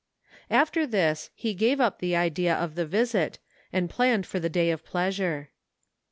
After this he gave up the idea of the visit, and planned for the day of pleasure.